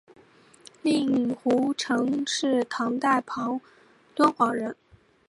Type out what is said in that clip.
令狐澄是唐代敦煌人。